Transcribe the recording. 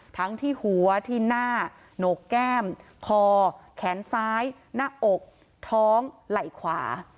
ทั้งที่หัวที่หน้าโหนกแก้มคอแขนซ้ายหน้าอกท้องไหล่ขวา